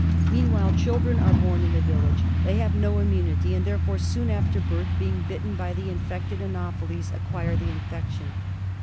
Meanwhile children are born in the village. They have no immunity, and therefore, soon after birth, being bitten by the infected anopheles, acquire the infection.